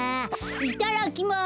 いただきます！